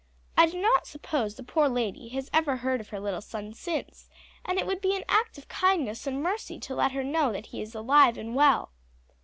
I do not suppose the poor lady has ever heard of her little son since, and it would be an act of kindness and mercy to let her know that he is alive and well."